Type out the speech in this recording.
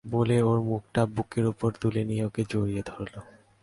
বলে ওর মুখটা বুকের উপর তুলে নিয়ে ওকে জড়িয়ে ধরল।